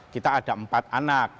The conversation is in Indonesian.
kita ada empat anak